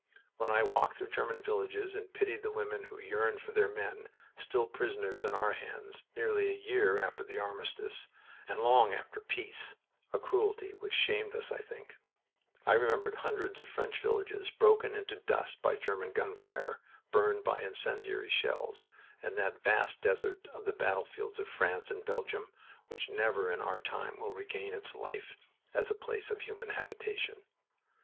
When I walked through German villages and pitied the women who yearned for their men, still prisoners in our hands, nearly a year after the armistice, and long after peace (a cruelty which shamed us, I think), I remembered hundreds of French villages broken into dust by German gun fire, burned by incendiary shells, and that vast desert of the battlefields in France and Belgium which never in our time will regain its life as a place of human habitation.